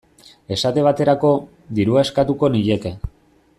Esate baterako, dirua eskatuko nieke.